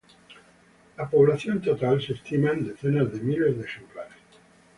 La población total se estima en decenas de miles de ejemplares.